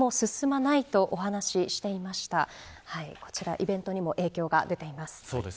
イベントにも影響が出ています。